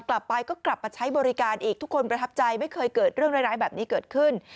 กลับไปก็กลับมาใช้บริการอีกทุกคนประทับใจไม่เคยเกิดเรื่องร้ายแบบนี้เกิดขึ้น